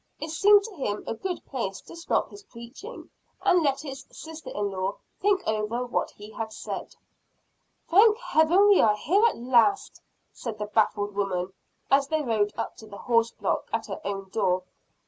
It seemed to him a good place to stop his preaching, and let his sister in law think over what he had said. "Thank Heaven we are here at last!" said the baffled woman, as they rode up to the horse block at her own door.